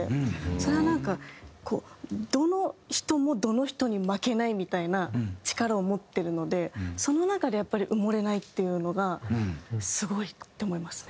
それがなんかどの人もどの人に負けないみたいな力を持ってるのでその中で埋もれないっていうのがスゴいって思いますね。